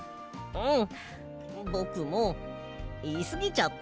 うん！